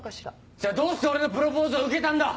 じゃあどうして俺のプロポーズを受けたんだ？